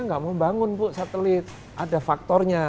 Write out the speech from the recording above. nggak mau bangun satelit ada faktornya